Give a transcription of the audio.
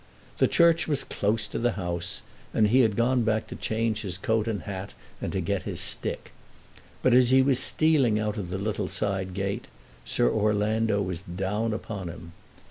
The church was close to the house, and he had gone back to change his coat and hat, and to get his stick. But as he was stealing out of the little side gate, Sir Orlando was down upon him.